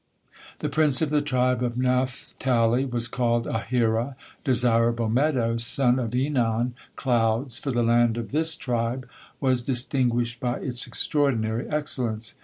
The prince of the tribe of Naphtali was called Ahira, "desirable meadow," son of Enan, "clouds;" for the land of this tribe was distinguished by its extraordinary excellence.